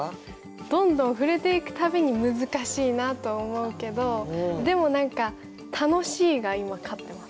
どんどん触れていく度に難しいなと思うけどでも何か「楽しい」が今勝ってます。